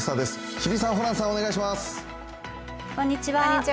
日比さん、ホランさん、お願いします。